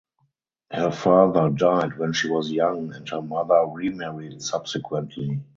Her father died when she was young and her mother remarried subsequently.